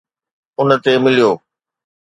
ان تي مليو